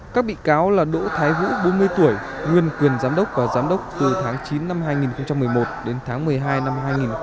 các bị cáo là đỗ thái vũ bốn mươi tuổi nguyên quyền giám đốc và giám đốc từ tháng chín năm hai nghìn một mươi một đến tháng một mươi hai năm hai nghìn một mươi